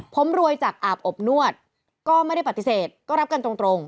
ผมรวยจากอาบอบนวดก็ไม่ได้ปฏิเสธก็รับกันตรง